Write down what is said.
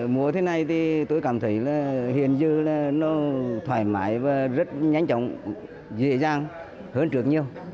mùa thế này thì tôi cảm thấy là hiện dư là nó thoải mái và rất nhanh chóng dễ dàng hơn trước nhiều